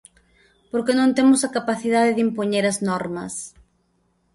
Porque non temos a capacidade de impoñer as normas.